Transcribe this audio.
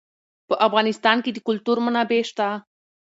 په افغانستان کې د کلتور منابع شته.